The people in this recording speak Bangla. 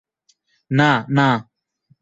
না, না!